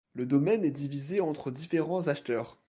Le domaine est divisé entre différents acheteurs.